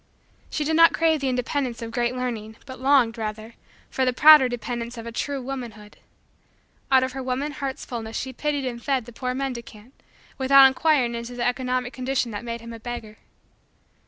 She did not crave the independence of great learning but longed, rather, for the prouder dependence of a true womanhood. Out of her woman heart's fullness she pitied and fed the poor mendicant without inquiring into the economic condition that made him a beggar.